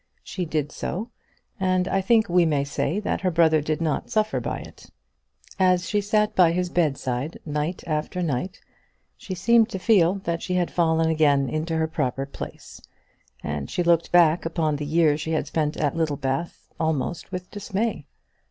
She did so, and I think we may say that her brother did not suffer by it. As she sat by his bedside, night after night, she seemed to feel that she had fallen again into her proper place, and she looked back upon the year she had spent at Littlebath almost with dismay.